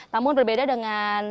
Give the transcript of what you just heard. namun berbeda dengan desa